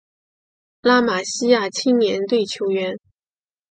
拉玛西亚青年队球员